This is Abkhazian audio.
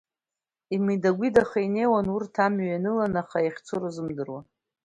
Имидагәидаха инеиуан урҭ амҩа ианыланы, аха иахьцо рзымдыруа.